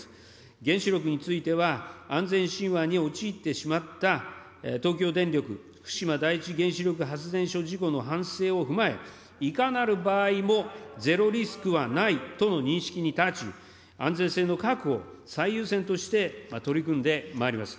原子力については、安全神話に陥ってしまった東京電力福島第一原子力発電所事故の反省を踏まえ、いかなる場合もゼロリスクはないとの認識に立ち、安全性の確保を最優先として取り組んでまいります。